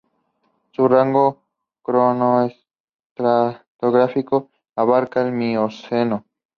Su rango cronoestratigráfico abarcaba el Mioceno.